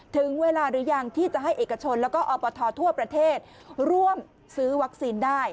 ถึงเวลาหรือยังที่จะให้เอกชนแล้วก็อปททั่วประเทศร่วมซื้อวัคซีนได้